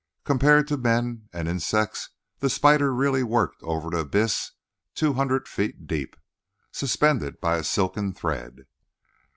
Compared to men and insects, the spider really worked over an abyss two hundred feet deep, suspended by a silken thread.